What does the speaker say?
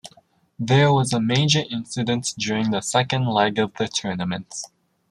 There was a major incident during the second leg of the tournament.